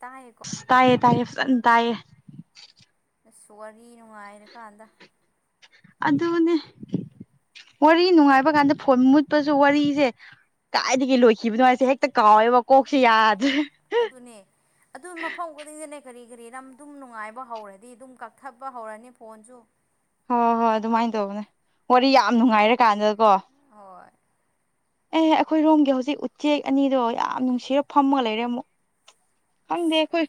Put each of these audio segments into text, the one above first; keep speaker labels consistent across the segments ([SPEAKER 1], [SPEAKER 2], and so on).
[SPEAKER 1] ꯇꯥꯏꯌꯦꯀꯣ
[SPEAKER 2] ꯇꯥꯏꯌꯦ ꯇꯥꯏꯌꯦ ꯇꯥꯏꯌꯦ
[SPEAKER 1] ꯑ ꯁꯒꯔꯒꯤ ꯅꯨꯡꯉꯥꯏꯔꯀꯥꯟꯗ
[SPEAKER 2] ꯑꯗꯨꯅꯦ ꯋꯥꯔꯤ ꯅꯨꯡꯉꯥꯏꯕ ꯀꯥꯟꯗ ꯐꯣꯟ ꯃꯨꯠꯄꯁꯨ ꯋꯥꯔꯤꯁꯦ ꯀꯥꯏꯗꯒꯤꯩ ꯂꯣꯏꯈꯤꯕꯅꯣ ꯍꯥꯏꯁꯦ ꯍꯦꯛꯇ ꯀꯥꯎꯋꯦꯕ ꯀꯣꯛꯁꯦ ꯌꯥꯗ꯭ꯔꯦ
[SPEAKER 1] ꯑꯗꯨꯅꯦ ꯑꯗꯨ ꯃꯐꯝ ꯈꯨꯗꯤꯡꯗꯅꯦ ꯀꯔꯤ ꯀꯔꯤ ꯌꯥꯝ ꯑꯗꯨꯝ ꯅꯨꯡꯉꯥꯏꯕ ꯍꯧꯔꯗꯤ ꯑꯗꯨꯝ ꯀꯛꯊꯠꯄ ꯍꯧꯔꯅꯤ ꯐꯣꯟꯁꯨ
[SPEAKER 2] ꯍꯣꯏ ꯍꯣꯏ ꯑꯗꯨꯃꯥꯏꯅ ꯇꯧꯕꯅꯦ ꯋꯥꯔꯤ ꯌꯥꯝ ꯅꯨꯡꯉꯥꯏꯔꯀꯥꯟꯗꯀꯣ
[SPEAKER 1] ꯍꯣꯏ
[SPEAKER 2] ꯑꯦꯍ ꯑꯩꯈꯣꯏꯔꯣꯝꯒꯤ ꯍꯧꯖꯤꯛ ꯎꯆꯦꯛ ꯑꯅꯤꯗꯣ ꯌꯥꯝ ꯅꯨꯡꯁꯤꯔ ꯐꯝꯃꯒ ꯂꯩꯔꯦ ꯑꯃꯨꯛ ꯑ
[SPEAKER 1] ꯑꯁ
[SPEAKER 2] ꯗꯣꯏ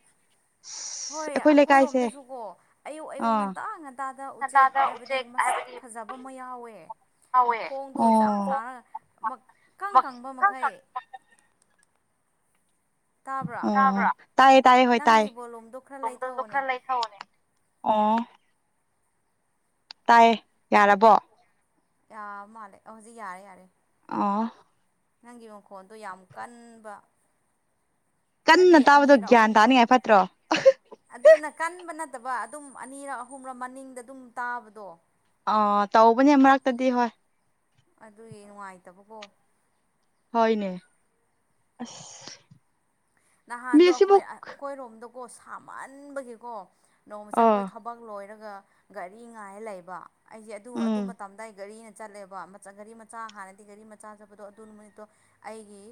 [SPEAKER 1] ꯍꯣꯏ ꯑꯩꯈꯣꯏꯔꯣꯝꯗꯁꯨꯀꯣ ꯑꯌꯨꯛ ꯑꯌꯨꯛ
[SPEAKER 2] ꯑꯥ
[SPEAKER 1] ꯉꯟꯇꯥ ꯉꯟꯇꯥꯗ ꯎꯆꯦꯛ ꯍꯥꯏꯕꯗꯤ ꯁꯥꯛ ꯐꯖꯕ ꯑꯃ ꯌꯥꯎꯋꯦ ꯃꯈꯣꯡꯗꯣ ꯏꯁꯥꯡ
[SPEAKER 2] ꯑꯣ
[SPEAKER 1] ꯆꯥꯡꯅ ꯀꯪ ꯀꯪꯕ ꯃꯈꯩ ꯇꯥꯕ꯭ꯔꯥ
[SPEAKER 2] ꯑꯣ ꯇꯥꯏꯌꯦ ꯇꯥꯏꯌꯦꯦ ꯍꯣꯏ
[SPEAKER 1] ꯅꯪꯒꯤ
[SPEAKER 2] ꯇꯥꯏꯌꯦ
[SPEAKER 1] ꯕꯣꯂꯨꯝꯗꯣ ꯈꯔ
[SPEAKER 2] ꯁꯣꯝꯗꯁꯨ
[SPEAKER 1] ꯂꯩꯊꯧꯑꯣꯅꯦ
[SPEAKER 2] ꯈꯔ ꯂꯩꯊꯑꯣꯅꯦ ꯑꯣ ꯇꯥꯏꯌꯦ ꯌꯥꯔꯕꯣ
[SPEAKER 1] ꯑ ꯃꯥꯂꯦ ꯑꯣꯖꯤ ꯌꯥꯔꯦ ꯌꯥꯔꯦ
[SPEAKER 2] ꯑꯥ
[SPEAKER 1] ꯅꯪꯒꯤ ꯃꯈꯣꯟꯗꯣ ꯌꯥꯝ ꯀꯟꯕ
[SPEAKER 2] ꯀꯟꯅ
[SPEAKER 1] ꯍꯥꯏꯕꯗꯤ
[SPEAKER 2] ꯇꯥꯕꯗꯣ
[SPEAKER 1] ꯑꯅꯤꯔꯣ
[SPEAKER 2] ꯒ꯭ꯌꯥꯟ
[SPEAKER 1] ꯑꯍꯨꯝꯔ
[SPEAKER 2] ꯇꯥꯅꯤꯡꯉꯥꯏ ꯐꯠꯇ꯭ꯔꯣ
[SPEAKER 1] ꯑꯗꯨꯅ ꯀꯟꯕ ꯅ ꯅꯠꯇꯕ ꯑꯗꯨꯝ ꯑꯅꯤꯔꯛ ꯑꯍꯨꯝꯔ ꯃꯅꯤꯡꯗ ꯑꯗꯨꯝ ꯇꯥꯕꯗꯣ
[SPEAKER 2] ꯑꯥ ꯇꯧꯕꯅꯦ ꯃꯔꯛꯇꯗꯤ ꯍꯣꯏ
[SPEAKER 1] ꯑꯗꯨꯒꯤ ꯅꯨꯡꯉꯥꯏꯇꯕꯀꯣ
[SPEAKER 2] ꯀꯥꯏꯅꯦ ꯑꯁ
[SPEAKER 1] ꯅꯍꯥꯟꯗꯣ ꯑꯩꯈꯣꯏ
[SPEAKER 2] ꯃꯦꯁꯤꯕꯨꯛ
[SPEAKER 1] ꯑꯩꯈꯣꯏꯔꯣꯝꯗꯀꯣ ꯁꯥꯃꯟꯕꯒꯤꯀꯣ ꯅꯣꯡꯃꯁꯦ ꯑꯩꯈꯣꯏ
[SPEAKER 2] ꯑꯥ
[SPEAKER 1] ꯊꯕꯛ ꯂꯣꯏꯔꯒ ꯒꯥꯔꯤ ꯉꯥꯏꯔ ꯂꯩꯕ ꯑꯩꯁꯦ ꯑꯗꯨ ꯑꯗꯨ
[SPEAKER 2] ꯎꯝ
[SPEAKER 1] ꯃꯇꯝꯗ ꯑꯩ ꯒꯥꯔꯤꯅ ꯆꯠꯂꯦꯕ ꯒꯥꯔꯤ ꯃꯆꯥ ꯍꯥꯟꯅꯗꯤ ꯒꯥꯔꯤ ꯃꯆꯥ ꯆꯠꯄꯗꯣ ꯑꯗꯨ ꯅꯨ ꯃꯅꯤꯠꯇꯣ ꯑꯩꯒꯤ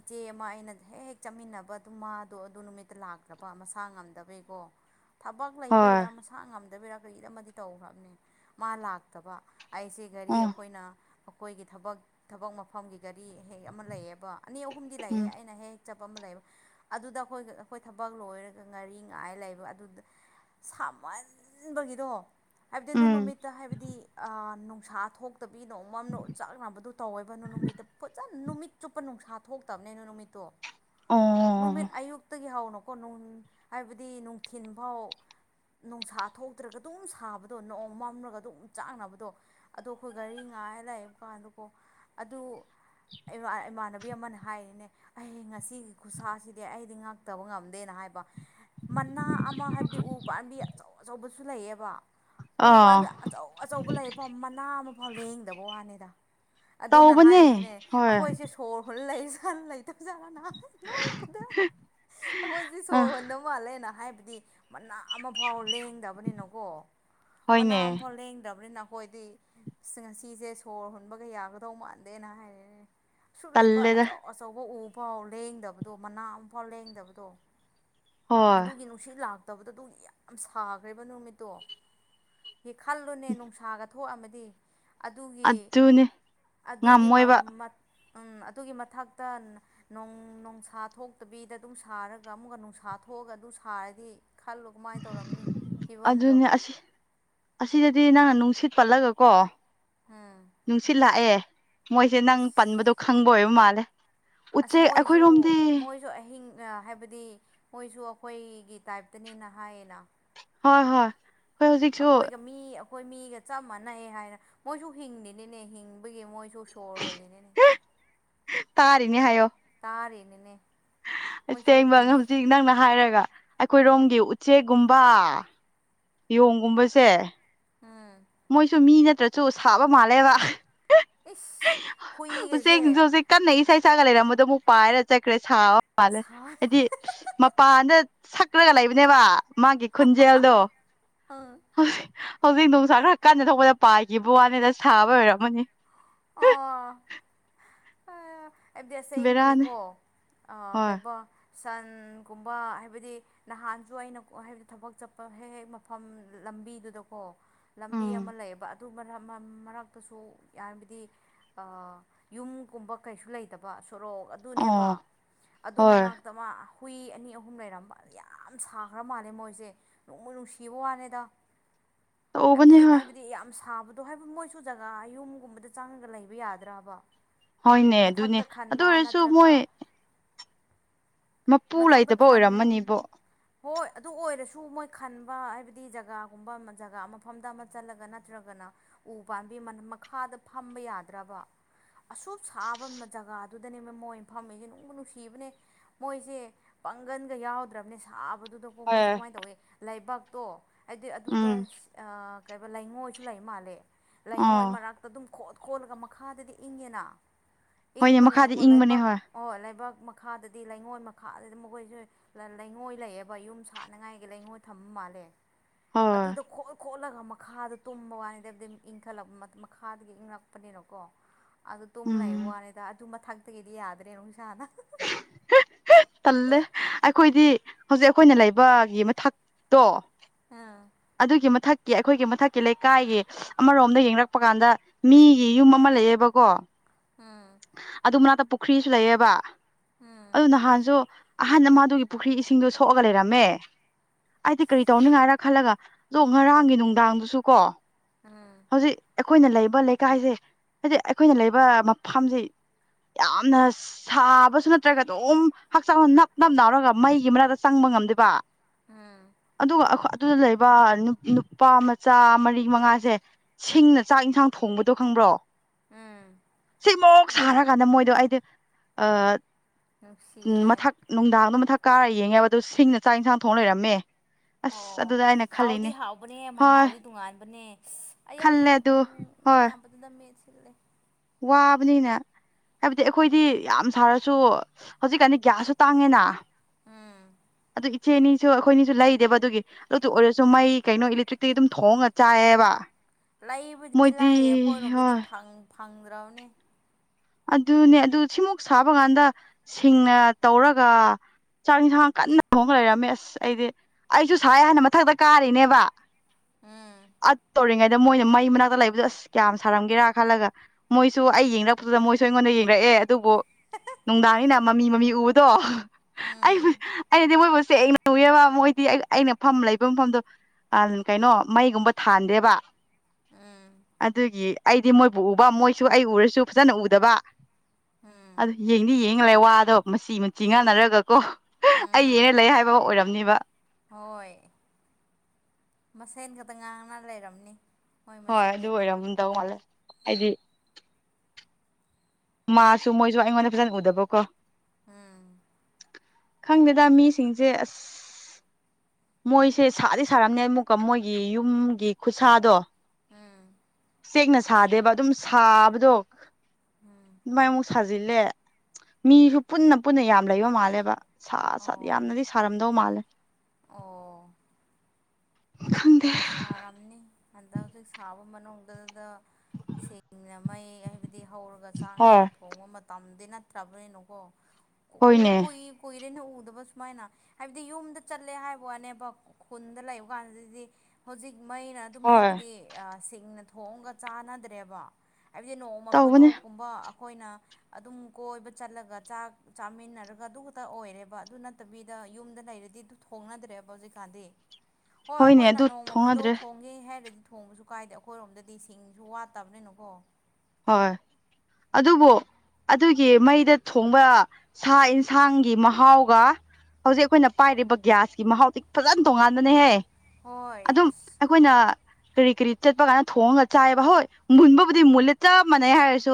[SPEAKER 1] ꯏꯆꯦ ꯃꯥ ꯑꯩꯅ ꯍꯦꯛ ꯍꯦꯛ ꯆꯠꯃꯤꯟꯅꯕ ꯑꯗꯨꯝ ꯃꯥꯗꯣ ꯑꯗꯨ ꯅꯨꯃꯤꯠꯇ ꯂꯥꯛꯇ꯭ꯔꯕ ꯃꯁꯥ ꯉꯝꯗꯕꯩꯀꯣ ꯊꯕꯛ
[SPEAKER 2] ꯍꯣꯏ
[SPEAKER 1] ꯂꯩꯕꯩꯔꯥ ꯃꯁꯥ ꯉꯝꯗꯕꯩꯔꯥ ꯀꯔꯤꯗꯝꯃ ꯇꯧꯈ꯭ꯔꯕꯅꯦ ꯃꯥ ꯂꯥꯛꯇꯕ ꯑꯩꯁꯦ ꯒꯥꯔꯤ
[SPEAKER 2] ꯑꯣ
[SPEAKER 1] ꯑꯩꯈꯣꯏꯅ ꯑꯩꯈꯣꯏꯒꯤ ꯊꯕꯛ ꯊꯕꯛ ꯃꯐꯝꯒꯤ ꯒꯥꯔꯤ ꯍꯦꯛ ꯑꯃ ꯂꯩꯌꯦꯕ ꯑꯅꯤ ꯑꯍꯨꯝꯗꯤ ꯂꯩꯑꯦ
[SPEAKER 2] ꯎꯝ
[SPEAKER 1] ꯑꯩꯅ ꯍꯦꯛ ꯆꯞ ꯑꯃ ꯂꯩꯕ ꯑꯗꯨꯗ ꯑꯩꯈꯣꯏ ꯑꯩꯈꯣꯏ ꯊꯕꯛ ꯂꯣꯏꯔꯒ ꯉꯥꯔꯤ ꯉꯥꯏ ꯂꯩꯕ ꯑꯗꯨꯗ ꯁꯃꯟꯕꯒꯤꯗꯣ ꯍꯥꯏꯕꯗꯤ ꯅ
[SPEAKER 2] ꯎꯝ
[SPEAKER 1] ꯅꯨꯃꯤꯠꯇ ꯍꯥꯏꯕꯗꯤ ꯅꯨꯡꯁꯥ ꯊꯣꯛꯇꯕꯤ ꯅꯣꯡꯃ ꯑꯃꯅ ꯆꯥꯛ ꯅꯥꯝꯕꯗꯨ ꯇꯧꯋꯦꯕꯅꯣ ꯅꯨꯃꯤꯠꯇ ꯐꯖꯅ ꯅꯨꯃꯤꯠ ꯆꯨꯞꯄ ꯅꯨꯡꯁꯥ ꯊꯣꯛꯇꯕ ꯅꯨꯃꯤꯠꯇꯣ ꯅꯨꯃꯤꯠ
[SPEAKER 2] ꯑꯣ
[SPEAKER 1] ꯑꯌꯨꯛꯇꯒꯤ ꯍꯧꯅ ꯣ ꯍꯥꯏꯕꯗꯤ ꯅꯨꯡꯊꯤꯤꯟꯐꯥꯎ ꯅꯨꯡꯁꯥ ꯊꯣꯛꯇ꯭ꯔꯒ ꯑꯗꯨꯝ ꯁꯥꯕꯗꯣ ꯅꯣꯡ ꯃꯝꯂꯒ ꯑꯗꯨꯝ ꯆꯥꯅꯕꯗꯣ ꯑꯗꯣ ꯑꯩꯈꯣꯏ ꯒꯥꯔꯤ ꯉꯥꯏ ꯂꯏꯕ ꯀꯥꯟꯗꯀꯣ ꯑꯗꯨ ꯏꯃꯥꯟꯅꯕꯤ ꯑꯃꯅ ꯍꯥꯏꯔꯤꯅꯦ ꯑꯩ ꯉ ꯑꯁꯤꯒꯤ ꯈꯨꯠꯁꯥꯁꯤꯗꯤ ꯑꯩꯗꯤ ꯉꯥꯛꯛꯇꯕ ꯉꯝꯗꯦꯅ ꯍꯥꯏꯕ ꯃꯅꯥ ꯑꯃ ꯍꯥꯏꯕꯗꯤ ꯎ ꯄꯥꯝꯕꯤ ꯑꯆꯧ ꯑꯆꯧꯕꯁꯨ ꯂꯩꯌꯦꯕ ꯎ ꯄꯕ
[SPEAKER 2] ꯑꯥ
[SPEAKER 1] ꯑꯆꯧ ꯑꯆꯧꯕ ꯂꯩꯌꯦ ꯐꯥꯎ ꯃꯅꯥ ꯑꯃ ꯐꯥꯎ ꯂꯦꯡꯗꯕ ꯋꯥꯅꯤꯗ ꯑꯗꯨꯅ
[SPEAKER 2] ꯇꯧꯕꯅꯦ
[SPEAKER 1] ꯍꯥꯏꯔꯤꯅꯤꯅꯦ
[SPEAKER 2] ꯍꯣꯏ
[SPEAKER 1] ꯑꯩꯈꯣꯏꯁꯦ ꯁꯣꯔ ꯍꯜ ꯂꯩꯖꯥ ꯂꯩꯇꯕꯖꯥꯠ ꯑꯩꯈꯣꯏꯁꯤ ꯁꯣꯔ
[SPEAKER 2] ꯑꯥ
[SPEAKER 1] ꯍꯣꯟꯗꯧ ꯃꯥꯜꯂꯦꯅ ꯍꯥꯏꯕꯗꯤ ꯃꯅꯥ ꯑꯃꯐꯥꯎ ꯂꯦꯡꯗꯕꯅꯤꯅꯀꯣ ꯃꯅꯥ
[SPEAKER 2] ꯍꯣꯏꯅꯦ
[SPEAKER 1] ꯑꯃꯐꯥꯎ ꯂꯦꯡꯗꯕꯅꯤꯅ ꯑꯩꯈꯣꯏꯗꯤ ꯉꯁꯤꯁꯦ ꯁꯣꯔ ꯍꯨꯟꯕꯒ ꯌꯥꯒꯗꯧ ꯃꯥꯟꯗꯦꯅ ꯍꯥꯏꯔꯦ ꯑꯨꯛꯂꯕ
[SPEAKER 2] ꯇꯜꯂꯦꯗ
[SPEAKER 1] ꯑꯆꯧ ꯑꯆꯧꯕ ꯎ ꯐꯥꯎ ꯂꯦꯡꯗꯕꯗꯣ ꯃꯅꯥ ꯑꯃ ꯐꯥꯎ ꯂꯦꯡꯗꯕꯗꯣ
[SPEAKER 2] ꯍꯣꯏ
[SPEAKER 1] ꯑꯗꯨꯒꯤ ꯅꯨꯡꯁꯤꯠ ꯂꯥꯛꯇꯕꯗ ꯑꯗꯨꯝ ꯌꯥꯝ ꯁꯥꯈ꯭ꯔꯦꯕ ꯅꯨꯃꯤꯠꯇꯣ ꯈꯜꯂꯨꯅꯦ ꯅꯨꯡꯁꯥꯒ ꯊꯣꯛꯑꯃꯗꯤ
[SPEAKER 2] ꯑꯗꯨꯅꯦ
[SPEAKER 1] ꯑꯗꯨꯒꯤꯒꯤ
[SPEAKER 2] ꯉꯝꯃꯣꯏꯕ
[SPEAKER 1] ꯑꯗꯨꯒꯤ ꯃꯊꯛꯇ ꯅꯣꯡ ꯅꯨꯡꯁꯥ ꯊꯣꯛꯇꯕꯤꯗ ꯑꯗꯨꯝ ꯁꯥꯔꯒ ꯑꯃꯨꯛꯀ ꯅꯨꯡꯁꯥ ꯊꯣꯛꯑꯒ ꯑꯗꯨꯝ ꯁꯥꯔꯗꯤ ꯈꯜꯂꯣ ꯀꯃꯥꯏꯅ ꯇꯧꯔꯝꯅꯤ ꯐꯤꯕꯝꯗꯣ
[SPEAKER 2] ꯑꯗꯨꯅꯦ ꯑꯁꯤ ꯑꯁꯤꯗꯗꯤ ꯅꯍꯥꯟ ꯅꯨꯡ ꯅꯨꯡꯁꯤꯠ ꯄꯜꯂꯒꯀꯣ ꯅꯨꯡꯁꯤꯠ ꯂꯥꯛꯑꯦ ꯃꯣꯏꯁꯦ ꯅꯪ ꯄꯟꯕꯗꯣ ꯈꯪꯕ ꯑꯣꯏꯕ ꯃꯥꯜꯂꯦ
[SPEAKER 1] ꯑꯁ
[SPEAKER 2] ꯎꯆꯦꯛ
[SPEAKER 1] ꯃꯣꯏꯁꯨ
[SPEAKER 2] ꯑꯩꯈꯣꯏꯔꯣꯝꯗꯤ
[SPEAKER 1] ꯃꯣꯏꯁꯨ ꯑꯍꯤꯡ ꯍꯥꯏꯕꯗꯤ ꯃꯣꯏꯁꯨ ꯑꯩꯈꯣꯏꯒꯤ ꯇꯥꯏꯞꯇꯅꯦꯅ ꯍꯥꯏꯌꯦꯅ
[SPEAKER 2] ꯍꯣꯏ ꯍꯣꯏ ꯍꯧꯖꯤꯛꯁꯨ
[SPEAKER 1] ꯑꯩꯈꯣꯏꯒ ꯃꯤ ꯑꯩꯈꯣꯏ ꯃꯤꯒ ꯆꯞ ꯃꯥꯟꯅꯩ ꯍꯥꯏꯅ ꯃꯣꯏꯁꯨ ꯍꯤꯡꯉꯤꯅꯤꯅꯦ ꯍꯤꯡ ꯗꯒꯤ ꯃꯣꯏꯣꯏꯁꯨ ꯁꯣꯔ ꯍꯜꯂꯤꯅꯦꯅꯦ ꯇꯥꯔꯦꯅꯦꯅꯦ
[SPEAKER 2] ꯇꯦꯡ ꯕ ꯍꯧꯖꯤꯛ ꯅꯪꯅ ꯍꯥꯏꯔꯒ ꯑꯩꯈꯣꯏꯔꯣꯝꯒꯤ ꯎꯆꯦꯛꯒꯨꯝꯕ ꯌꯦꯣꯡꯒꯨꯝꯕꯁꯦ
[SPEAKER 1] ꯎꯝ
[SPEAKER 2] ꯇ꯭ꯔꯁꯨ ꯁꯥꯕ ꯃꯥꯜꯂꯦꯕ
[SPEAKER 1] ꯏꯁ ꯍꯨꯏꯒꯁꯦ
[SPEAKER 2] ꯎꯆꯦꯛꯁꯨ ꯎꯆꯦꯛ ꯀꯟꯅ ꯏꯁ ꯆꯥꯒ ꯂꯩꯔꯝꯕꯗ ꯑꯃꯨꯛ ꯄꯥꯏꯔ ꯆꯠꯈ꯭ꯔꯦ ꯁꯥꯕ ꯃꯥꯜꯂꯦ
[SPEAKER 1] ꯁꯥ
[SPEAKER 2] ꯍꯥꯏꯗꯤ ꯃꯄꯥꯟꯗ ꯁꯛ꯭ꯔꯒ ꯂꯩꯕꯅꯦꯕ ꯃꯥꯒꯤ ꯈꯨꯟꯖꯦꯜꯗꯣ
[SPEAKER 1] ꯑꯥ
[SPEAKER 2] ꯍꯧꯖꯤꯛ ꯍꯧꯖꯤꯛ ꯣꯡꯁꯥ ꯈ꯭ꯔ ꯀꯥꯟꯗ ꯊꯣꯛꯄꯗ ꯄꯥꯏꯈꯤꯕ ꯋꯥꯅꯤꯗ ꯁꯥꯕ ꯑꯣꯏꯔꯝꯃꯅꯤ
[SPEAKER 1] ꯑꯣ ꯑ ꯍꯥꯏꯕꯗꯤ
[SPEAKER 2] ꯕꯦꯔꯥꯅꯤ
[SPEAKER 1] ꯑꯁꯦꯡꯕꯒꯤꯀꯣ
[SPEAKER 2] ꯍꯣꯏ
[SPEAKER 1] ꯀꯩꯕ ꯁꯟꯒꯨꯝꯕ ꯍꯥꯏꯕꯗꯤ ꯅꯍꯥꯟꯁꯨ ꯑꯩꯅ ꯍꯥꯏꯕꯗꯤ ꯊꯕꯛ ꯆꯠꯄ ꯍꯦꯛ ꯍꯦꯛ ꯃꯐꯝ ꯂꯝꯕꯤꯗꯨꯗꯀꯣ ꯂꯝꯕꯤ
[SPEAKER 2] ꯎꯝ
[SPEAKER 1] ꯑꯃ ꯂꯩꯌꯦꯕ ꯑꯗꯨ ꯃꯔꯛꯇꯁꯨ ꯌꯥ ꯗꯤ ꯌꯨꯝꯒꯨꯝꯕ ꯀꯩꯁꯨ ꯂꯩꯇꯕ ꯁꯣꯔꯣꯛ
[SPEAKER 2] ꯑꯣ
[SPEAKER 1] ꯑꯗꯨꯅꯦꯕ ꯑꯗꯨ
[SPEAKER 2] ꯍꯣꯏ
[SPEAKER 1] ꯃꯅꯥꯛꯇ ꯃꯥ ꯍꯨꯏ ꯑꯅꯤ ꯑꯍꯨꯝ ꯂꯩꯔꯝꯕ ꯌꯥꯝ ꯁꯥꯈ꯭ꯔ ꯃꯥꯜꯂꯦ ꯃꯣꯏꯁꯦ ꯅꯣꯡꯃ ꯅꯨꯡꯁꯤꯕ ꯋꯥꯅꯦꯗ
[SPEAKER 2] ꯇꯧꯕꯅꯦ
[SPEAKER 1] ꯑꯗꯤ
[SPEAKER 2] ꯍꯣꯏ
[SPEAKER 1] ꯍꯥꯏꯕꯗꯤ ꯌꯥꯝ ꯁꯥꯕꯗꯣ ꯍꯥꯏꯕ ꯃꯣꯏꯁꯨ ꯖꯒꯥ ꯌꯨꯝꯒꯨꯝꯕꯗ ꯆꯪꯉꯒ ꯂꯩꯕ ꯌꯥꯗ꯭ꯔꯕ
[SPEAKER 2] ꯍꯣꯏꯅꯦ ꯑꯗꯨꯅꯦ
[SPEAKER 1] ꯃꯊꯛꯇ
[SPEAKER 2] ꯑꯗꯨ
[SPEAKER 1] ꯈꯟꯕ
[SPEAKER 2] ꯑꯣꯏꯔꯁꯨ
[SPEAKER 1] ꯅꯠꯇ꯭ꯔꯒ
[SPEAKER 2] ꯃꯣꯏ ꯃꯄꯨ
[SPEAKER 1] ꯃꯊꯛꯇ
[SPEAKER 2] ꯂꯩꯇꯕ
[SPEAKER 1] ꯈꯟ
[SPEAKER 2] ꯑꯣꯏꯔꯝꯃꯅꯤꯕꯣ
[SPEAKER 1] ꯍꯣꯏ ꯑꯗꯨ ꯑꯣꯏꯔꯁꯨ ꯃꯣꯏ ꯈꯟꯕ ꯍꯥꯏꯕꯗꯤ ꯖꯒꯥꯒꯨꯝꯕ ꯑꯃ ꯖꯒꯥ ꯃꯐꯝꯗ ꯑꯃ ꯆꯠꯂꯒ ꯅꯠꯇ꯭ꯔꯒꯅ ꯎ ꯄꯥꯝꯕꯤ ꯃꯈꯥꯗ ꯐꯝꯕ ꯌꯥꯗ꯭ꯔꯕ ꯑꯁꯨꯛ ꯁꯥꯕ ꯖꯒꯥꯗꯨꯗꯅꯦ ꯃ ꯃꯣꯏ ꯐꯝꯃꯤꯁꯦ ꯅꯨꯡꯕꯨ ꯅꯨꯡꯁꯤꯕꯅꯦ ꯃꯣꯏꯁꯦ ꯄꯥꯡꯒꯟꯒ ꯌꯥꯎꯗ꯭ꯔꯕꯅꯦ ꯁꯥꯕꯗꯨꯗꯀ
[SPEAKER 2] ꯍꯣꯏ
[SPEAKER 1] ꯃꯣꯏꯁꯦ ꯀꯃꯥꯏꯅ ꯇꯧꯋꯏ ꯂꯥꯏꯕꯛꯇꯣ ꯍꯥꯏꯗꯤ ꯑꯗꯨꯗ
[SPEAKER 2] ꯎꯝ
[SPEAKER 1] ꯀꯩ ꯂꯩꯉꯣꯏꯁꯨ ꯂꯩ ꯃꯥꯜꯂꯦ ꯂꯩꯉꯣꯏ
[SPEAKER 2] ꯑꯣ
[SPEAKER 1] ꯃꯔꯥꯛꯛꯇ ꯑꯗꯨꯝ ꯈꯣꯠ ꯈꯣꯠꯂꯒ ꯃꯈꯥꯗꯗꯤ ꯏꯪꯉꯦꯅ
[SPEAKER 2] ꯍꯣꯏꯅꯦ ꯃꯈꯥꯗꯤ
[SPEAKER 1] ꯏꯪꯕꯅꯤꯅꯀꯣ
[SPEAKER 2] ꯏꯪꯕꯅꯦ
[SPEAKER 1] ꯂꯩꯕꯥꯛ
[SPEAKER 2] ꯍꯣꯏ
[SPEAKER 1] ꯑꯣ ꯂꯩꯕꯥꯛ ꯃꯈꯥꯗꯗꯤ ꯂꯩꯉꯣꯏ ꯃꯈꯥꯗꯗ ꯃꯈꯣꯏꯁꯨꯦ ꯂꯩꯉꯣꯏ ꯂꯩꯌꯦꯕ ꯌꯨꯝ ꯁꯥꯥꯟꯅꯉꯥꯏꯒꯤ ꯂꯩꯉꯣꯏ ꯊꯝꯕ ꯃꯥꯜꯂꯦ
[SPEAKER 2] ꯍꯣꯏ
[SPEAKER 1] ꯑꯗꯨꯗ ꯀꯣꯔ ꯇꯣꯠꯂꯒ ꯃꯈꯥꯗ ꯇꯨꯝꯕ ꯋꯥꯅꯤꯗ ꯍꯥꯏꯕꯗꯤ ꯏꯪꯈꯠꯂꯛꯄ ꯃꯈꯥꯗꯒꯤ ꯏꯪꯪꯂꯉꯛꯄꯅꯤꯅꯀꯣ ꯑꯗꯨ ꯇꯨꯝ
[SPEAKER 2] ꯎꯝ
[SPEAKER 1] ꯂꯩꯕ ꯋꯥꯅꯤꯗ ꯑꯗꯨ ꯃꯊꯛꯇꯒꯤꯗꯤ ꯌꯥꯗ꯭ꯔꯦ ꯅꯨꯡꯁꯥꯅ
[SPEAKER 2] ꯇꯜꯂꯦ ꯑꯩꯈꯣꯏꯗꯤ ꯍꯧꯖꯤꯛ ꯑꯩꯈꯣꯏꯅ ꯂꯩꯕꯒꯤ ꯃꯊꯛꯇꯣ
[SPEAKER 1] ꯎꯝ
[SPEAKER 2] ꯑꯗꯨꯒꯤ ꯃꯊꯛ ꯑꯩꯈꯣꯏꯒꯤ ꯃꯊꯛꯀꯤ ꯂꯩꯀꯥꯏꯒꯤ ꯑꯃꯔꯣꯝꯗ ꯌꯦꯡꯔꯛꯄ ꯀꯥꯟꯗ ꯃꯤꯒꯤ ꯌꯨꯝ ꯑꯃ ꯂꯩꯌꯦꯕꯀꯣ
[SPEAKER 1] ꯎꯝ
[SPEAKER 2] ꯑꯗꯨ ꯃꯅꯥꯛꯇ ꯄꯨꯈ꯭ꯔꯤꯁꯨ ꯂꯩꯌꯦꯦꯕ
[SPEAKER 1] ꯎꯝ
[SPEAKER 2] ꯑꯗꯨ ꯅꯍꯥꯟꯁꯨ ꯑꯍꯥꯟꯕꯗ ꯃꯥꯗꯨꯒꯤ ꯄꯨꯈ꯭ꯔꯤ ꯏꯁꯤꯡꯗꯣ ꯁꯣꯛꯑꯒ ꯂꯩꯔꯝꯃꯦ ꯑꯩꯗꯤ ꯀꯔꯤ ꯇꯧꯅꯤꯡꯉꯥꯏꯔ ꯈꯜꯂꯒ ꯑꯗꯣ ꯉꯔꯥꯡꯒꯤ ꯅꯨꯡꯗꯥꯡꯗꯨꯁꯨ ꯀꯣ
[SPEAKER 1] ꯎꯝ
[SPEAKER 2] ꯍꯧꯖꯤꯛ ꯑꯩꯈꯣꯏꯅ ꯂꯩꯕ ꯂꯩꯀꯥꯏ ꯍꯥꯏꯁꯦ ꯍꯥꯏꯗꯤ ꯑꯩꯈꯣꯏꯅ ꯂꯩꯕ ꯃꯐꯝꯁꯤ ꯌꯥꯝꯅ ꯁꯥꯕꯁꯨ ꯅꯠꯇ꯭ꯔꯒ ꯑꯗꯨꯝ ꯍꯛꯆꯥꯡ ꯅꯞ ꯅꯞ ꯅꯥꯎꯔꯒ ꯃꯩꯒꯤ ꯃꯅꯥꯛꯇ ꯆꯪꯕ ꯉꯥꯝꯗꯣꯏꯕ
[SPEAKER 1] ꯎꯝ
[SPEAKER 2] ꯑꯗꯨꯒ ꯑꯗꯨꯗ ꯂꯩꯕ ꯅꯨꯄꯥ ꯃꯆꯥ ꯃꯔꯤ ꯃꯉꯥꯁꯦ ꯁꯤꯡꯅ ꯆꯥꯛ ꯏꯟꯁꯥꯡ ꯊꯣꯡꯕꯗꯣ ꯈꯪꯕ꯭ꯔꯣ
[SPEAKER 1] ꯎꯝ
[SPEAKER 2] ꯏꯝꯃꯣꯛ ꯁꯥꯔꯀꯥꯟꯗ ꯃꯣꯏꯗꯣ ꯑꯩꯗꯤ ꯎ
[SPEAKER 1] ꯅꯨꯡꯁꯤꯌꯦꯅꯦ
[SPEAKER 2] ꯃꯊꯛ ꯅꯨꯡꯗꯥꯡꯗꯣ ꯃꯊꯛ ꯀꯥꯔ ꯌꯦꯡꯉꯦꯕ ꯑꯗꯨ ꯁꯤꯡꯅ ꯆꯥꯛ ꯌꯦꯟꯁꯥꯡ ꯊꯣꯡꯅ ꯂꯩꯔꯝꯃꯦ ꯑꯁ
[SPEAKER 1] ꯑꯣ
[SPEAKER 2] ꯑꯗꯨꯗ
[SPEAKER 1] ꯍꯥꯎꯗꯤ
[SPEAKER 2] ꯈꯜꯂꯤꯅꯦ
[SPEAKER 1] ꯍꯥꯎꯕꯅꯦ
[SPEAKER 2] ꯍꯣꯏ
[SPEAKER 1] ꯃꯍꯥꯎꯗꯤ ꯇꯣꯉꯥꯟꯕꯅꯦ ꯑ ꯍ
[SPEAKER 2] ꯈꯜꯂꯦ ꯑꯗꯨ
[SPEAKER 1] ꯈꯣꯡ
[SPEAKER 2] ꯍꯣꯏ
[SPEAKER 1] ꯗꯨ [unintelligible]
[SPEAKER 2] ꯋꯥꯕꯅꯤꯅ ꯍꯥꯏꯕꯗꯤ ꯑꯩꯈꯣꯏꯗꯤ ꯌꯥꯝ ꯁꯥꯔꯁꯨ ꯍꯧꯖꯤꯛꯀꯥꯟꯗꯤ ꯒ꯭ꯌꯥꯁꯁꯨ ꯇꯥꯡꯉꯦꯅ
[SPEAKER 1] ꯎꯝ
[SPEAKER 2] ꯑꯗꯨ ꯏꯆꯦꯅꯤꯁꯨ ꯑꯩꯈꯣꯏꯅꯤꯁꯨ ꯂꯩꯗꯦꯕ ꯑꯗꯨꯒꯤ ꯑꯗꯨꯗ ꯑꯣꯏꯔꯁꯨ ꯃꯩ ꯀꯩꯅꯣ ꯏꯂꯦꯛꯇ꯭ꯔꯤꯛꯇꯒꯤ ꯑꯗꯨꯝ ꯊꯣꯡꯉ ꯆꯥꯏꯑꯕ
[SPEAKER 1] ꯂꯩꯕꯨꯗꯤ ꯂꯥꯏꯔꯦ
[SPEAKER 2] ꯍꯣꯏ
[SPEAKER 1] ꯑꯩꯈꯣꯏꯔꯣꯝꯗꯗꯤ ꯐꯪꯗ꯭ꯔꯕꯅꯦ
[SPEAKER 2] ꯑꯗꯨꯅꯦ ꯑꯗꯨ ꯁꯤꯃꯨꯛ ꯁꯥꯕ ꯀꯥꯟꯗ ꯁꯤꯡꯅ ꯇꯧꯔꯒ ꯆꯥꯛ ꯌꯦꯟꯁꯥꯡ ꯀꯟꯅ ꯊꯣꯡꯒ ꯂꯩꯔꯝꯃꯦ ꯑꯁ ꯑꯩꯗꯤ ꯑꯩꯁꯨ ꯁꯥꯏ ꯍꯥꯟꯅ ꯃꯊꯛꯇ ꯀꯥꯔꯤꯅꯦꯕ
[SPEAKER 1] ꯎꯝ
[SPEAKER 2] ꯑ ꯇꯉꯥꯏ ꯃꯣꯏꯅ ꯃꯩ ꯃꯅꯥꯛꯇ ꯂꯩꯕꯗꯨ ꯑꯁ ꯀꯌꯥꯝ ꯁꯥꯔꯝꯒꯦꯔꯥ ꯈꯜꯂꯒ ꯃꯣꯏꯁꯨ ꯑꯗꯨ ꯑꯗꯨꯗ ꯃꯣꯏꯁꯨ ꯑꯩꯉꯣꯟꯗ ꯌꯦꯡꯛꯑꯦ ꯑꯗꯨꯕꯨ ꯅꯨꯡꯗꯥꯡꯅꯤꯅ ꯃꯃꯤ ꯃꯃꯤ ꯎꯕꯗꯣ
[SPEAKER 1] ꯎꯝ
[SPEAKER 2] ꯑꯩꯕꯨ ꯑꯩꯅꯗꯤ ꯃꯣꯏꯕꯨꯁꯦ ꯃꯣꯏꯗꯤ ꯑꯩꯅ ꯐꯝ ꯂꯩꯕ ꯃꯐꯝꯗꯣ ꯀꯩꯅꯣ ꯃꯩꯒꯨꯝꯕ ꯊꯥꯟꯗꯦꯕ
[SPEAKER 1] ꯎꯝ
[SPEAKER 2] ꯑꯗꯨꯒꯤ ꯑꯩꯗꯤ ꯃꯣꯏꯕꯨ ꯎꯕ ꯃꯣꯏꯁꯨ ꯑꯩ ꯎꯔꯁꯨ ꯐꯖꯅ ꯎꯗꯕ ꯑꯗ
[SPEAKER 1] ꯎꯝ
[SPEAKER 2] ꯌꯦꯗꯤ ꯌꯦ ꯋꯥꯗꯣ ꯃꯆꯤ ꯃꯆꯤ ꯉꯥꯟꯅꯔꯒ ꯀꯣ
[SPEAKER 1] ꯎꯝ
[SPEAKER 2] ꯑꯩꯅ ꯂꯩ ꯍꯥꯏꯕ ꯑꯣꯏꯔꯝꯅꯦꯕ
[SPEAKER 1] ꯍꯣꯏ ꯃꯁꯦꯟ ꯈꯛꯇ ꯉꯥꯡꯅ ꯂꯩꯔꯝꯅꯤ ꯃꯣꯏ
[SPEAKER 2] ꯍꯣꯏ
[SPEAKER 1] ꯃꯁꯦꯟ
[SPEAKER 2] ꯑꯗꯨ
[SPEAKER 1] ꯈꯛꯇ
[SPEAKER 2] ꯑꯣꯏꯔꯝꯗꯧ ꯃꯥꯜꯂꯦ ꯍꯥꯏꯗꯤ ꯃꯥꯁꯨ ꯃꯣꯏꯁꯨ ꯑꯩꯉꯣꯟꯗ ꯐꯖꯅ ꯎꯗꯕꯀꯣ
[SPEAKER 1] ꯎꯝ
[SPEAKER 2] ꯈꯪꯗꯦꯗ ꯃꯤꯁꯤꯡꯁꯦ ꯑꯁ ꯃꯣꯏꯁꯦ ꯁꯥꯠꯗꯤ ꯁꯥꯔꯝꯅꯦ ꯑꯃꯨꯛꯀ ꯃꯣꯏꯒꯤ ꯌꯨꯝꯒꯤ ꯈꯨꯠꯁꯥꯗꯣ
[SPEAKER 1] ꯎꯝ
[SPEAKER 2] ꯆꯦꯛꯅ ꯁꯥꯗꯦꯕ ꯑꯗꯨꯝ ꯁꯥꯕꯗꯣ
[SPEAKER 1] ꯎꯝ
[SPEAKER 2] ꯑꯗꯨꯥꯏꯃꯨꯛ ꯁꯥꯖ ꯍꯧꯖꯤꯜꯂꯦ ꯃꯤꯁꯨ ꯄꯨꯟꯅ ꯄꯨꯟꯅ ꯌꯥꯝ ꯂꯩꯕ ꯃꯥꯜꯂꯦꯕ ꯁꯥ ꯁꯥꯗꯤ
[SPEAKER 1] ꯑꯣ
[SPEAKER 2] ꯌꯥꯝꯅꯗꯤ ꯁꯥꯔꯝꯗꯧ ꯃꯥꯜꯂꯦ
[SPEAKER 1] ꯑꯣ
[SPEAKER 2] ꯈꯪꯗꯦ
[SPEAKER 1] ꯁꯥꯝꯅꯤ ꯑꯗ ꯁꯥꯕ ꯃꯅꯨꯡꯗꯨꯗ ꯁꯤꯡꯅ ꯃꯩ ꯍꯥꯏꯕꯗꯤ ꯍꯧꯔꯒ ꯆꯥꯛ
[SPEAKER 2] ꯍꯣꯏ
[SPEAKER 1] ꯏꯟꯁꯥꯡ ꯊꯣꯡꯕ ꯃꯇꯝ ꯇꯝꯗ ꯅ ꯇ꯭ꯔꯕꯅꯦꯅꯀꯣ ꯑꯣ
[SPEAKER 2] ꯍꯣꯏꯅꯦ
[SPEAKER 1] ꯀꯣꯏꯣꯏ ꯅ ꯎꯗꯕ ꯁꯨꯃꯥꯏꯅ ꯍꯥꯏꯕꯗꯤ ꯌꯨꯝꯗ ꯆꯠꯂꯦ ꯍꯥꯏꯕ ꯋꯥꯅꯦꯕ ꯈꯨꯟꯗ ꯂꯩꯕ ꯀꯥꯟꯁꯤꯗꯗꯤ ꯍꯧꯖꯤꯛ ꯃꯩꯅ ꯑꯗꯨꯝ
[SPEAKER 2] ꯍꯣꯏ
[SPEAKER 1] ꯍꯥꯏꯕꯗꯤ ꯁꯤꯡꯅ ꯊꯣꯡꯉꯒ ꯆꯥꯟꯅꯗ꯭ꯔꯦꯕ ꯍꯥꯏꯕꯗꯤ ꯅꯣꯡꯃ
[SPEAKER 2] ꯇꯧꯕꯅꯦ
[SPEAKER 1] ꯐꯥꯗꯣꯛꯀꯨꯝꯕ ꯑꯩꯈꯣꯏꯅ ꯑꯗꯨꯝ ꯀꯣꯏꯕ ꯆꯠꯂꯒ ꯆꯥꯛ ꯆꯥꯃꯤꯟꯅꯔꯒ ꯑꯗꯨ ꯈꯛꯇ ꯑꯣꯏꯔꯦꯕ ꯑꯗꯨ ꯅꯠꯇꯕꯤꯗ ꯌꯨꯝꯗ ꯂꯩꯔꯗꯤ ꯑꯗꯨ ꯊꯣꯡꯅꯗ꯭ꯔꯦꯕ ꯍꯧꯖꯤꯛꯀꯥꯟꯗꯤ ꯍꯣꯏ
[SPEAKER 2] ꯍꯣꯏꯅꯦ
[SPEAKER 1] ꯑꯩꯈꯣꯏꯅ
[SPEAKER 2] ꯑꯗꯨ
[SPEAKER 1] ꯅꯣꯡꯃ ꯐꯗꯣ
[SPEAKER 2] ꯊꯣꯡꯅꯗ꯭ꯔꯦ
[SPEAKER 1] ꯊꯣꯡꯉꯦ ꯍꯥꯏꯔꯗꯤ ꯊꯣꯡꯕꯁꯨ ꯀꯥꯏꯗꯦ ꯑꯩꯈꯣꯏꯔꯣꯝꯗꯗꯤ ꯁꯤꯡꯁꯨ ꯋꯥꯠꯇꯕꯅꯤꯅꯀꯣ
[SPEAKER 2] ꯍꯣꯏ ꯑꯗꯨꯕꯨ ꯑꯗꯨꯒꯤ ꯃꯩꯗ ꯊꯣꯡꯕ ꯁꯥ ꯌꯦꯟꯁꯥꯡꯒꯤ ꯃꯍꯥꯎꯒ ꯍꯧꯖꯤꯛ ꯑꯩꯈꯣꯏꯅ ꯄꯥꯏꯔꯤꯕ ꯒ꯭ꯌꯥꯁꯀꯤ ꯃꯍꯥꯎꯗꯤ ꯐꯖꯅ ꯇꯣꯡꯉꯥꯟꯗꯅꯦꯍꯦ
[SPEAKER 1] ꯍꯣꯏ
[SPEAKER 2] ꯑꯗꯨꯝ
[SPEAKER 1] ꯑꯁ
[SPEAKER 2] ꯑꯩꯈꯣꯏꯅ ꯀꯔꯤ ꯀꯔꯤ ꯆꯠꯄ ꯀꯥꯏꯗ ꯊꯣꯡꯉꯒ ꯆꯥꯏꯑꯕ ꯍꯣꯏ ꯃꯨꯟꯕꯕꯨꯗꯤ ꯃꯨꯜꯂꯦ ꯞ ꯆꯞ ꯃꯥꯟꯅꯩ ꯍꯥꯏꯔꯁꯨ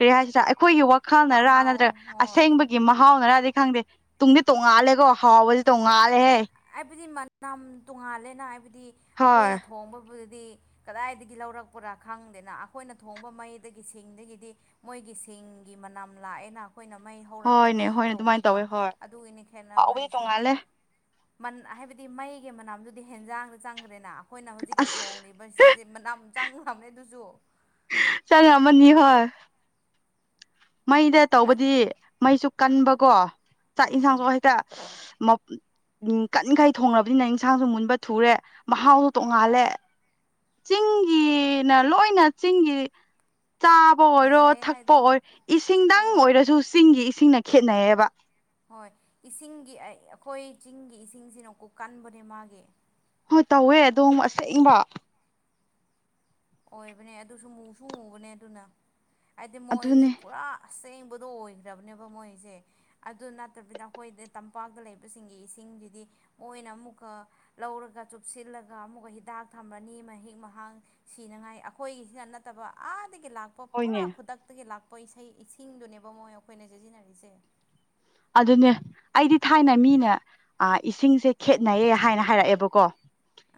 [SPEAKER 2] ꯀ ꯍꯥꯏꯁꯤꯗ ꯑꯩꯈꯣꯏꯒꯤ ꯋꯥꯈꯜꯅꯔꯥ
[SPEAKER 1] ꯃꯍꯥꯎ
[SPEAKER 2] ꯅꯠꯇ꯭ꯔꯒ
[SPEAKER 1] ꯍꯣꯏ
[SPEAKER 2] ꯑꯁꯦꯡꯕꯒꯤ ꯃꯍꯥꯎꯅꯔꯥ ꯈꯪꯗꯦ ꯇꯨꯡꯗꯤ ꯇꯣꯡꯉꯥꯜꯂꯦꯀꯣ ꯍꯥꯎꯕꯗꯤ ꯇꯣꯡꯉꯥꯜꯂꯦꯍꯦ
[SPEAKER 1] ꯍꯥꯏꯕꯗꯤ ꯃꯅꯝ ꯇꯣꯡꯉꯥꯜꯂꯦꯅ ꯍꯥꯏꯕꯗꯤ
[SPEAKER 2] ꯍꯣꯏ
[SPEAKER 1] ꯑꯩꯈꯣꯏꯅ ꯊꯣꯡꯕꯕꯨ ꯏ ꯂꯧꯔꯛꯄ ꯈꯪꯗꯦꯅ ꯑꯩꯈꯣꯏꯅꯣꯡ ꯃꯗꯤ ꯃꯣꯏ ꯆꯤꯡꯒꯤ ꯃꯅꯝ ꯂꯥꯛꯑꯦꯅ ꯑꯩꯈꯣꯏꯅ ꯃꯩ ꯍꯧꯔꯛꯄ
[SPEAKER 2] ꯍꯣꯏꯅꯦ
[SPEAKER 1] ꯑꯗꯨꯃꯥꯏ
[SPEAKER 2] ꯍꯣꯏꯅꯦ ꯑꯗꯨꯃꯥꯏꯅ
[SPEAKER 1] ꯇꯧꯕꯗꯨꯗ
[SPEAKER 2] ꯇꯧꯋꯦ ꯍꯣꯏ
[SPEAKER 1] ꯑꯗꯨꯒꯤꯅꯤ ꯈꯦꯠꯅꯕ
[SPEAKER 2] ꯍꯥꯎꯕꯗꯤ
[SPEAKER 1] ꯍꯥꯏꯁꯦ
[SPEAKER 2] ꯇꯣꯡꯉꯥꯜꯂꯦ
[SPEAKER 1] ꯍꯥꯏꯕꯗꯤ ꯃꯩꯒꯤ ꯃꯅꯥꯝꯗꯨꯗꯤ ꯍꯦꯟꯖꯥꯡꯗ ꯆꯪꯈ꯭ꯔꯦꯅ ꯑꯩꯈꯣꯏꯅ ꯍꯧꯖꯤꯛꯀ
[SPEAKER 2] ꯑꯁ
[SPEAKER 1] ꯊꯣꯡꯂꯤꯕ ꯁꯤꯁꯦ ꯃꯅꯝ ꯆꯥꯡ ꯅꯃꯦ ꯑꯗꯨꯁꯨ
[SPEAKER 2] ꯆꯪꯉꯝꯃꯅꯤ ꯍꯣꯏ ꯃꯩꯗ
[SPEAKER 1] ꯑ
[SPEAKER 2] ꯇꯧꯕꯗꯤ ꯃꯩꯁꯨ ꯀꯟꯕꯀꯣ ꯆꯥꯛ
[SPEAKER 1] ꯎꯝ
[SPEAKER 2] ꯌꯦꯟꯁꯥꯡꯁꯨ ꯍꯦꯛꯇ ꯎ ꯀꯟꯅꯤꯡꯈꯥꯏ ꯊꯣꯡꯔꯕꯅꯤꯅ ꯏꯟꯁꯥꯡꯁꯨ ꯃꯨꯟꯕ ꯊꯨꯔꯦ ꯃꯍꯥꯎꯁꯨ ꯇꯣꯡꯉꯥꯜꯂꯦ ꯆꯤꯡꯒꯤꯅ ꯂꯣꯏꯅ ꯆꯤꯡꯒꯤ ꯆꯥꯕ ꯑꯣꯏꯔꯣ
[SPEAKER 1] ꯍꯦꯜꯂꯦ
[SPEAKER 2] ꯊꯛꯄ
[SPEAKER 1] ꯍꯥꯏꯗꯣ
[SPEAKER 2] ꯑꯣꯏꯔꯣ ꯏꯁꯤꯡꯗꯪ
[SPEAKER 1] ꯍꯣꯏ
[SPEAKER 2] ꯑꯣꯏꯔꯁꯨ ꯆꯤꯡꯒꯤ ꯏꯁꯤꯡꯅ ꯈꯦꯠꯅꯩꯌꯦꯕ
[SPEAKER 1] ꯍꯣꯏ ꯏꯁꯤꯡꯒꯤ ꯑꯩꯈꯣꯏ ꯆꯤꯡꯒꯤ ꯏꯁꯤꯡꯁꯤꯅꯀꯨ ꯀꯟꯕꯅꯦ ꯃꯥꯒꯤ
[SPEAKER 2] ꯍꯣꯏ ꯇꯧꯋꯦ ꯑꯗꯣ ꯑꯁꯛꯦꯡꯕ
[SPEAKER 1] ꯑꯣꯏꯕꯅꯦ ꯑꯗꯨꯁꯨ ꯃꯨꯁꯨ ꯃꯨꯕꯅꯦ ꯑꯗꯨꯅ ꯍꯥꯏꯗꯤ ꯃꯣꯏꯒꯤꯁꯦ
[SPEAKER 2] ꯑꯗꯨꯅꯦ
[SPEAKER 1] ꯄꯨꯔꯥ ꯑꯁꯦꯡꯕꯗꯣ ꯑꯣꯏꯈ꯭ꯔꯕꯅꯦꯕ ꯃꯣꯏꯁꯦ ꯑꯗꯨ ꯅꯠꯇꯕꯤꯗ ꯑꯩꯈꯣꯏꯗ ꯇꯝꯄꯥꯛꯇ ꯂꯩꯕꯁꯤꯡꯒꯤ ꯏꯁꯤꯡ ꯁꯤꯡꯁꯤꯗꯤ ꯃꯣꯏꯅ ꯑꯃꯨꯛꯀ ꯂꯧꯔꯒ ꯆꯨꯞꯁꯤꯜꯂꯒ ꯑꯃꯨꯛꯀ ꯍꯤꯗꯥꯛ ꯊꯝꯕꯅꯤ ꯃꯍꯤꯛ ꯃꯍꯥꯡ ꯁꯤꯅꯉꯥꯏ ꯑꯩꯈꯣꯏꯒꯤꯁꯤꯅ ꯅꯠꯇꯕ ꯑꯥꯗꯒꯤ ꯂꯥꯛꯄ ꯄꯨꯔꯥ
[SPEAKER 2] ꯍꯣꯏꯅꯦ
[SPEAKER 1] ꯈꯨꯗꯛꯇꯒꯤ ꯂꯥꯛꯄ ꯣꯏ ꯏꯁꯩ ꯏꯁꯤꯡꯗꯨꯅꯦꯕ ꯃꯣꯏ ꯑꯩꯈꯣꯏꯅ ꯁꯤꯖꯤꯟꯅꯔꯤꯁꯦ
[SPEAKER 2] ꯑꯗꯨꯅꯦ ꯑꯩꯗꯤ ꯊꯥꯏꯅ ꯃꯤꯅꯦ ꯏꯁꯤꯡꯁꯦ ꯈꯦꯠꯅꯩꯌꯦ ꯍꯥꯏꯅ ꯍꯥꯏꯔꯛꯑꯦꯕꯀꯣ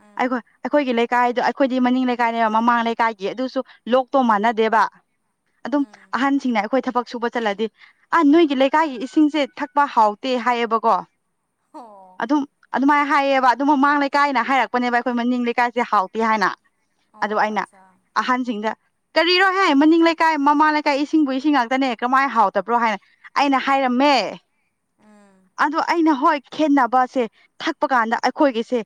[SPEAKER 1] ꯎꯝ
[SPEAKER 2] ꯑꯩꯈꯣꯏ ꯑꯩꯈꯣꯏꯒꯤ ꯂꯩ ꯂꯩ ꯀꯥꯏꯗꯣ ꯑꯩꯈꯣꯏꯗꯤ ꯃꯅꯤꯡ ꯂꯩꯀꯥꯏꯅꯦꯕ ꯃꯃꯥꯡ ꯂꯩꯀꯥꯏꯒꯤ ꯑꯗꯨꯁꯨ ꯂꯣꯛꯇꯣ ꯃꯥꯟꯅꯗꯦꯕ ꯑꯗꯨꯝ
[SPEAKER 1] ꯎꯝ
[SPEAKER 2] ꯑꯍꯟꯁꯤꯡꯅ ꯑꯩꯈꯣꯏ ꯊꯕꯛ ꯁꯨꯕ ꯆꯠꯂꯗꯤ ꯑ ꯅꯣꯏꯒꯤ ꯂꯩꯀꯥꯏꯒꯤ ꯏꯁꯤꯡ ꯁꯦ ꯊꯛꯄ ꯍꯥꯎꯇꯦ ꯍꯥꯏꯌꯦꯕꯀꯣ
[SPEAKER 1] ꯍꯣ
[SPEAKER 2] ꯑꯗꯨꯝ ꯑꯗꯨꯃꯥꯏꯅ ꯍꯥꯏꯌꯦꯕ ꯑꯗꯨ ꯃꯃꯥꯡ ꯂꯩꯀꯥꯏꯅ ꯍꯥꯏꯔꯛꯄꯅꯦꯕ ꯑꯩꯈꯣꯏ ꯃꯅꯤꯡ ꯂꯩꯀꯥꯏꯁꯦ ꯍꯥꯎꯇꯦ ꯍꯥꯏꯅ ꯑꯗꯨ
[SPEAKER 1] ꯑꯣ
[SPEAKER 2] ꯑꯩꯅ
[SPEAKER 1] ꯑꯠꯆꯥ
[SPEAKER 2] ꯑꯍꯟꯁꯤꯡꯗ ꯀꯔꯤꯔꯣꯍ ꯃꯅꯤꯡ ꯂꯩꯀꯥꯏ ꯃꯃꯥ ꯂꯩꯀꯥꯏ ꯏꯁꯤꯡꯕꯨ ꯏꯁꯤꯡ ꯉꯥꯛꯇꯅꯦ ꯀꯃꯥꯏꯅ ꯍꯥꯎꯗꯕ꯭ꯔꯣ ꯍꯥꯏꯅ ꯑꯩꯅ ꯍꯥꯏꯔꯝꯃꯦ
[SPEAKER 1] ꯎꯝ
[SPEAKER 2] ꯑꯗꯣ ꯑꯩꯅ ꯍꯣꯏ ꯈꯦꯠꯅꯕꯁꯦ ꯊꯛꯄ ꯀꯥꯟꯗ ꯑꯩꯈꯣꯏꯒꯤꯁꯦ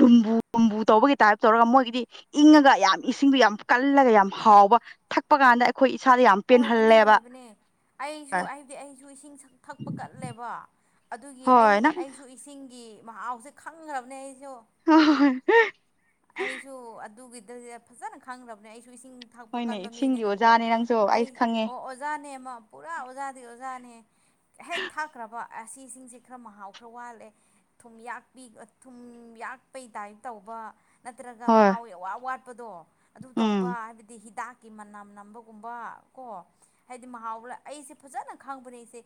[SPEAKER 2] ꯂꯨꯝꯕꯨꯨꯝꯕꯨ ꯇꯧꯕꯒꯤ ꯇꯥꯏꯞ ꯇꯧꯔꯒ ꯃꯣꯏꯒꯤꯗꯤ ꯏꯪꯉꯒ ꯌꯥꯝ ꯏꯁꯤꯡꯗꯨ ꯌꯥꯝ ꯀꯜꯂꯒ ꯌꯥꯝ ꯍꯥꯎꯕ ꯊꯛꯄ ꯀꯥꯟꯗ ꯑꯩꯈꯣꯏ ꯏꯁꯥꯗ ꯌꯥꯝ
[SPEAKER 1] ꯑꯣꯏꯕꯅꯦ
[SPEAKER 2] ꯄꯦꯟꯍꯜꯂꯦꯕ
[SPEAKER 1] ꯑꯣꯏꯕꯅꯦ ꯑꯩꯁꯨ ꯍꯥꯏꯕꯗꯤ ꯑꯩꯁꯨ ꯏꯁꯤꯡ ꯊꯛꯄ ꯀꯠꯂꯦꯕ ꯑꯗꯨꯒꯤ ꯑꯩ
[SPEAKER 2] ꯍꯣꯏ ꯅꯪ
[SPEAKER 1] ꯑꯩꯁꯨ ꯏꯁꯤꯡꯒꯤ ꯃꯍꯥꯎꯁꯦ ꯈꯪꯈ꯭ꯔꯕꯅꯦ ꯑꯩ
[SPEAKER 2] ꯑ
[SPEAKER 1] ꯑꯩꯁꯨ ꯑꯗꯨꯒꯤꯗ ꯐꯖꯅ ꯈꯪꯈ꯭ꯔꯕꯅꯦ ꯑꯩꯁꯨ ꯁꯨ ꯏꯁꯤꯡ ꯊꯛꯄ
[SPEAKER 2] ꯍꯣꯏꯅꯦ
[SPEAKER 1] ꯀꯟꯕ
[SPEAKER 2] ꯏꯁꯤꯡꯒꯤ
[SPEAKER 1] ꯃꯤꯅꯦꯅꯨꯀꯣ
[SPEAKER 2] ꯑꯣꯖꯥꯅꯦ ꯅꯪꯁꯨ
[SPEAKER 1] ꯑꯩ
[SPEAKER 2] ꯈꯪꯉꯦ
[SPEAKER 1] ꯑꯣ ꯑꯣꯖꯥꯅꯦ ꯑꯃ ꯄꯨꯔꯥ ꯑꯣꯖꯥꯗꯤ ꯑꯣꯖꯥꯅꯦ [inaudible] ꯍꯦꯛ ꯊꯥꯛꯈ꯭ꯔꯕ ꯑꯁꯤꯁꯤꯡꯁꯦ ꯈꯔ ꯃꯍꯥꯎ ꯈꯔ ꯋꯥꯠꯂꯦ ꯊꯨꯝꯌꯥꯛꯄꯤ ꯊꯨꯝꯌꯥꯛ ꯀꯠꯄꯩ ꯇꯥꯏꯞ ꯇꯧꯕ ꯅꯠꯇ꯭ꯔꯒ
[SPEAKER 2] ꯍꯣꯏ
[SPEAKER 1] ꯃꯍꯥꯎ ꯑꯋꯥ ꯋꯥꯠꯄꯗꯣ ꯑꯗꯨ
[SPEAKER 2] ꯎꯝ
[SPEAKER 1] ꯇꯧꯕ ꯍꯥꯏꯕꯗꯤ ꯍꯤꯗꯥꯛ ꯃꯅꯝ ꯅꯝꯕꯒꯨꯝꯕ ꯀꯣ ꯍꯥꯏꯗꯤ ꯃꯍꯥꯎ ꯑꯩꯁꯦ ꯐꯖꯅ ꯈꯪꯕꯅꯦ ꯑꯩꯁꯦ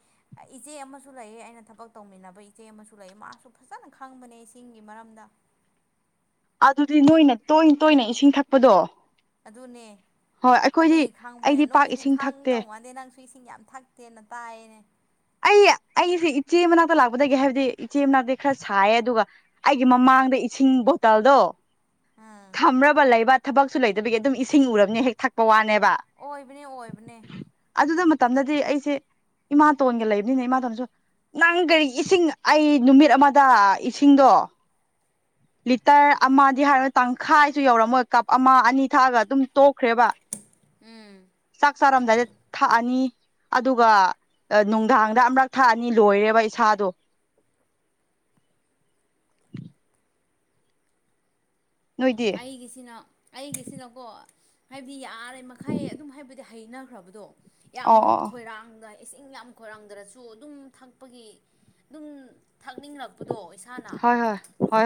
[SPEAKER 1] ꯏꯆꯦ ꯑꯃꯁꯨ ꯂꯩꯌꯦ ꯑꯩꯅ ꯊꯕꯛ ꯇꯧꯃꯤꯟꯅꯕ ꯏꯆꯦ ꯑꯃꯁꯨ ꯂꯩꯑ ꯃꯥꯁꯨ ꯐꯖꯅ ꯈꯪꯕꯅꯦ ꯏꯁꯤꯡꯒꯤ ꯃꯔꯝꯗ [inaudible]
[SPEAKER 2] ꯑꯗꯨꯗꯤ ꯅꯣꯏꯅ ꯇꯣꯏꯅ ꯇꯣꯏꯅ ꯏꯁꯤꯡ ꯊꯛꯄꯗꯣ
[SPEAKER 1] ꯑꯗꯨꯅꯦ
[SPEAKER 2] ꯍꯣꯏ ꯑꯩꯈꯣꯏꯗꯤ
[SPEAKER 1] ꯑꯗꯨꯒꯤ
[SPEAKER 2] ꯑꯩꯗꯤ
[SPEAKER 1] ꯈꯥꯡꯕ꯭ꯔꯅꯦ
[SPEAKER 2] ꯄꯥꯛ
[SPEAKER 1] ꯅꯣꯏꯗꯤ
[SPEAKER 2] ꯏꯁꯤꯡ ꯊꯛꯇꯦ
[SPEAKER 1] ꯈꯥꯡꯗꯧ ꯃꯥꯥꯟꯗꯦ ꯅꯪ ꯐꯄꯤꯁꯤꯡ ꯌꯥꯝ ꯊꯛꯇꯦꯅ ꯇꯥꯏꯅꯦ
[SPEAKER 2] ꯑꯩ ꯑꯩꯁꯦ ꯏꯆꯦ ꯃꯅꯥꯛꯇ ꯂꯥꯛꯄꯗꯒꯤ ꯍꯥꯏꯕꯗꯤ ꯏꯆꯦ ꯃꯅꯥꯛꯇꯤ ꯈꯔ ꯁꯥꯏꯌꯦ ꯑꯗꯨꯒ ꯑꯩꯒꯤ ꯃꯃꯥ ꯑꯥꯡꯗ ꯏꯁꯤꯡ ꯕꯣꯇꯥꯜꯗꯣ
[SPEAKER 1] ꯎꯝ
[SPEAKER 2] ꯊꯝꯕ ꯂꯩꯕ ꯊꯕꯛꯁꯨ ꯂꯩꯇꯕꯤꯒꯤ ꯑꯗꯨꯝ ꯏꯁꯤꯡ ꯎꯔꯕꯅꯦ ꯍꯦꯛ ꯊꯛꯄ ꯋꯥꯅꯦꯕ
[SPEAKER 1] ꯑꯣꯏꯕꯅꯦ ꯑꯣꯏꯕꯅꯦ
[SPEAKER 2] ꯑꯗꯨꯗ ꯃꯇꯝꯗꯗꯤ ꯑꯩꯁꯦ ꯏꯃꯥꯇꯣꯟꯒ ꯂꯩꯕꯅꯤꯅ ꯏꯃꯥꯇꯣꯟꯁꯨ ꯅꯪ ꯀꯔꯤ ꯏꯁꯤꯡ ꯑꯩ ꯅꯨꯃꯤꯠ ꯑꯃꯗ ꯏꯁꯤꯡꯗꯣ
[SPEAKER 1] [inaudible]
[SPEAKER 2] ꯂꯤꯇꯔ ꯑꯃꯗꯤ ꯍꯥꯏꯔ ꯇꯪꯈꯥꯏꯁꯨ ꯌꯧꯔꯝꯃꯣꯏ ꯀꯞ ꯑꯃ ꯑꯅꯤ ꯊꯥꯑꯒ ꯑꯗꯨꯝ ꯇꯣꯛꯈ꯭ꯔꯦꯕ
[SPEAKER 1] ꯎꯝ
[SPEAKER 2] ꯆꯥꯛ ꯆꯥꯔꯝꯗꯥꯏꯗ ꯊꯛꯑꯅꯤ ꯑꯗꯨꯒ ꯅꯨꯡꯗꯥꯡꯗ ꯑꯃꯔꯛ ꯊꯛꯑꯅꯤ ꯂꯣꯏꯔꯦꯕ ꯏꯁꯥꯗꯣ
[SPEAKER 1] [inaudible]
[SPEAKER 2] ꯅꯣꯏꯗꯤ
[SPEAKER 1] ꯑꯩꯒꯤꯁꯤꯅ ꯑꯩꯒꯤꯁꯤꯅꯀꯣ ꯍꯥꯏꯕꯗꯤ ꯌꯥꯔꯦ ꯃꯈꯩ ꯑꯗꯨꯝ ꯍꯥꯏꯕꯗꯤ ꯍꯩꯅꯈ꯭ꯔꯕꯗꯣ ꯌꯥꯝ
[SPEAKER 2] ꯑꯣ ꯑꯣ ꯑꯣ
[SPEAKER 1] ꯈꯣꯏꯔꯥꯡꯗ ꯏꯁꯤꯡ ꯌꯥꯝ ꯈꯣꯏꯔꯥꯡꯗ꯭ꯔꯁꯨ ꯑꯗꯨꯝ ꯊꯛꯄꯒꯤ ꯑꯗꯨꯝ ꯊꯛꯅꯤꯡꯂꯛꯄꯗꯣ ꯏꯁꯥꯅ
[SPEAKER 2] ꯍꯣꯏ ꯍꯣꯏ ꯍꯣꯏ ꯍꯣꯏ